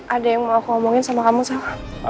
ada yang mau aku omongin sama kamu sal